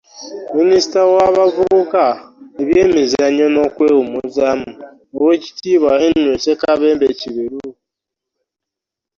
Minisita w'abavubuka, ebyemizannyo n'okwewumuzaamu, Oweekitiibwa Henry Ssekabembe Kiberu